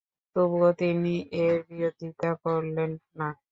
তবুও তিনি এর বিরোধিতা করলেন না।